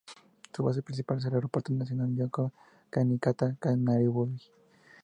Su base principal es el Aeropuerto Internacional Jomo Kenyatta, Nairobi.